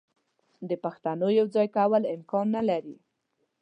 د پښتونو یو ځای کول امکان نه لري.